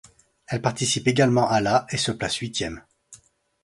Elle participe également à la et se place huitième.